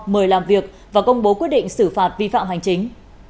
mời làm việc và công bố quyết định xử phạt vi phạm hành chính